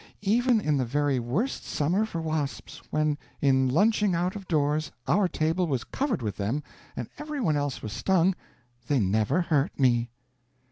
"Even in the very worst summer for wasps, when, in lunching out of doors, our table was covered with them and every one else was stung, they never hurt me."